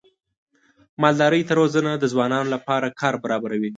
مالدارۍ ته روزنه د ځوانانو لپاره کار برابروي.